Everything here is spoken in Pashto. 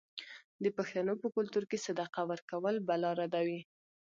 د پښتنو په کلتور کې صدقه ورکول بلا ردوي.